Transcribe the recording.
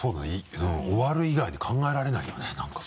終わる以外に考えられないよねなんか。